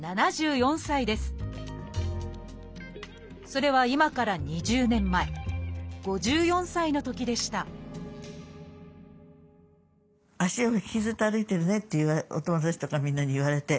それは今から２０年前５４歳のときでした「足を」